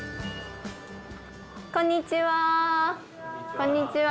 こんにちは。